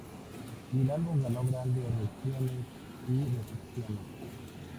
Y el álbum ganó grandes reacciones y recepciones.